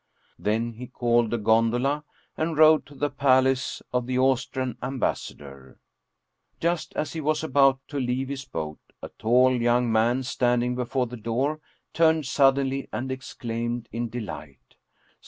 Then he called a gondola and rowed to the palace of the Austrian ambassador. Just as he was about to leave his Paul Heyse boat, a tall young man standing before the door turned suddenly and exclaimed in delight.